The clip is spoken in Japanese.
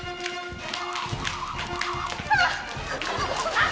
あっ！